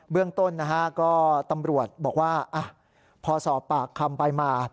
เรื่องต้นนะฮะก็ตำรวจบอกว่าพอสอบปากคำไปมา